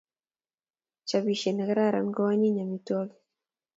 Chobisier ne kararan ko anyinyi amitwogik